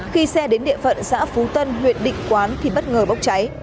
khi xe đến địa phận xã phú tân huyện định quán thì bất ngờ bốc cháy